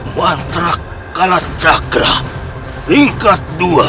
mantra kalacakra tingkat dua